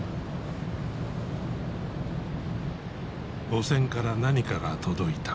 母船から何かが届いた。